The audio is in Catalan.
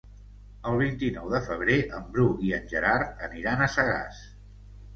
El vint-i-nou de febrer en Bru i en Gerard aniran a Sagàs.